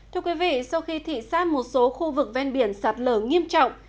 thưa quý vị sau khi thị xác một số khu vực ven biển sạt lở nghiêm trọng